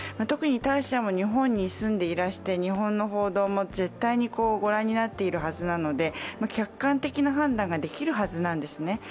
特に大使は日本に住んでいらして日本の報道も絶対に御覧になっているはずなので客観的な判断ができるはずなんですね。